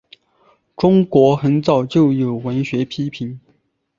中国很早就有文学批评。